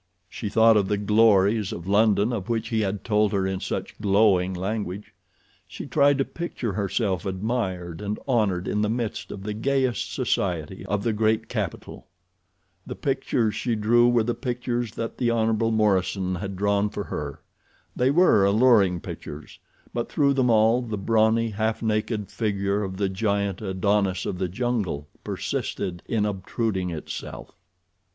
She thought of the glories of London, of which he had told her in such glowing language. She tried to picture herself admired and honored in the midst of the gayest society of the great capital. The pictures she drew were the pictures that the Hon. Morison had drawn for her. They were alluring pictures, but through them all the brawny, half naked figure of the giant Adonis of the jungle persisted in obtruding itself.